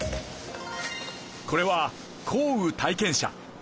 これは降雨体験車。